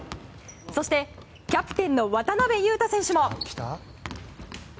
そしてキャプテンの渡邊雄太選手も。